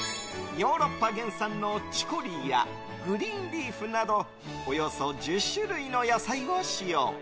ヨーロッパ原産のチコリーやグリーンリーフなどおよそ１０種類の野菜を使用。